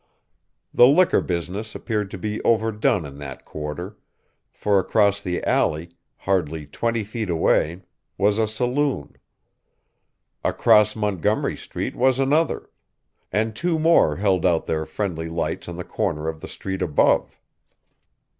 The liquor business appeared to be overdone in that quarter, for across the alley, hardly twenty feet away, was a saloon; across Montgomery Street was another; and two more held out their friendly lights on the corner of the street above.